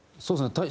そうですね